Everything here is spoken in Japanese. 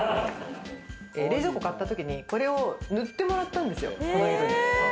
冷蔵庫買ったときにこれを塗ってもらったんですよ、この色に。